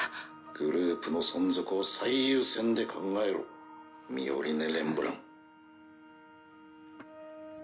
グループの存続を最優先で考えろミオリネ・レンブラン。